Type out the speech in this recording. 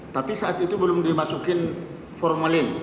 tapi saat itu belum dimasukin formalin